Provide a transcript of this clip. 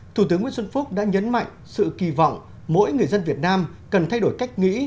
thủ tướng nguyễn xuân phúc đã nhấn mạnh sự kỳ vọng mỗi người dân việt nam cần thay đổi cách nghĩ